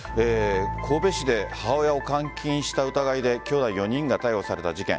神戸市で母親を監禁した疑いできょうだい４人が逮捕された事件。